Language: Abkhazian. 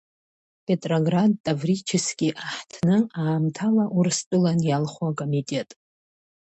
Петроград таврически аҳҭны аамҭала Урыстәылан иалху акомитет.